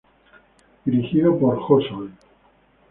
Dirigido por Jo Sol.